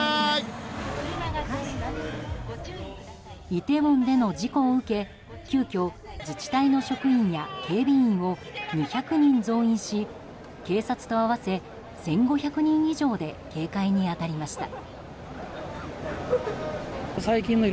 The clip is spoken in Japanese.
イテウォンでの事故を受け急きょ、自治体の職員や警備員を２００人増員し警察と合わせ１５００人以上で警戒に当たりました。